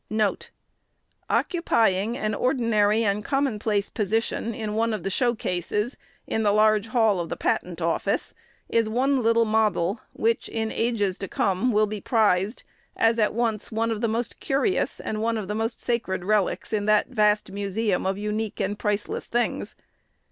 1 Many persons at New Salem describe in full Abe's conduct on this occasion. 2 "Occupying an ordinary and commonplace position in one of the show cases in the targe hall of the Patent Office, is one little model which, in ages to come, will be prized as at once one of the most curious and one of the most sacred relics in that vast museum of unique and priceless things.